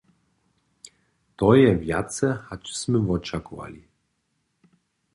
To je wjace hač smy wočakowali.